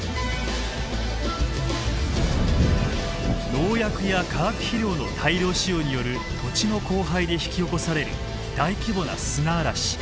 農薬や化学肥料の大量使用による土地の荒廃で引き起こされる大規模な砂嵐。